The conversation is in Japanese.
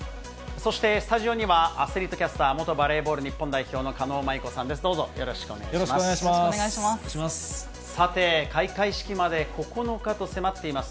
そして、スタジオにはアスリートキャスター、元バレーボール日本代表の狩野舞子さんです。